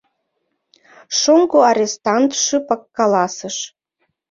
Шоҥго арестант шыпак каласыш: